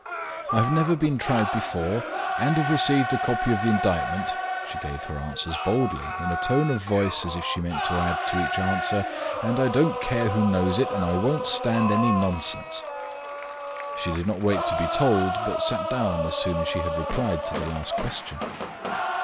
"I have never been tried before, and have received a copy of the indictment." She gave her answers boldly, in a tone of voice as if she meant to add to each answer, "And I don't care who knows it, and I won't stand any nonsense." She did not wait to be told, but sat down as soon as she had replied to the last question.